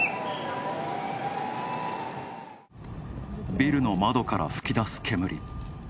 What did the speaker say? ビルの窓から噴き出す煙。